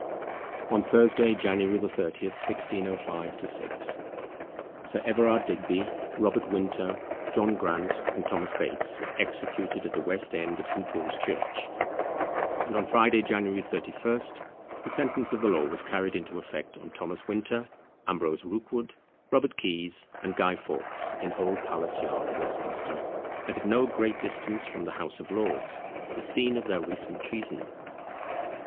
On Thursday, January 30, 1605 6, Sir Everard Digby, Robert Winter, John Grant, and Thomas Bates, were executed at the west end of St. Paul's church; and on Friday, January 31st, the sentence of the law was carried into effect on Thomas Winter, Ambrose Rookwood, Robert Keys, and Guy Fawkes, in Old Palace yard, Westminster, and at no great distance from the House of Lords, the scene of their recent treason.